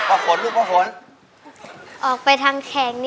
ผมขอตัวนะครับ